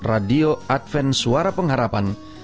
radio advent suara pengharapan